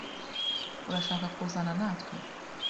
Urashaka kuzana natwe?